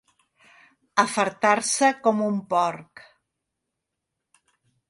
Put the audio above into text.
Afartar-se com un porc.